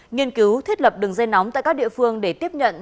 nghiên cứu thiết lập đường dây nóng tại các địa phương để tiếp nhận